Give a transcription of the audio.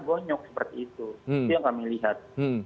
gonyok seperti itu itu yang kami lihat